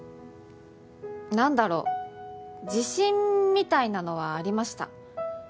何だろう自信みたいなのはありました。